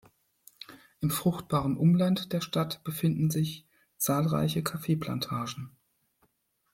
Im fruchtbaren Umland der Stadt befinden sich zahlreiche Kaffeeplantagen.